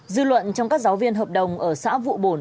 dư luận trong các giáo viên hợp đồng ở xã vụ bổn